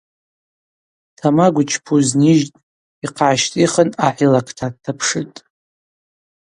Тамагв йчпуз нижьтӏ, йхъа гӏащтӏихын ахӏ йлакта дтапшытӏ.